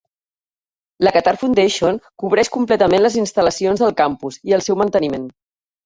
La Qatar Foundation cobreix completament les instal·lacions del campus i el seu manteniment.